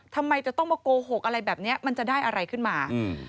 ทำไมจะต้องมาโกหกอะไรแบบนี้มันจะได้อะไรขึ้นมา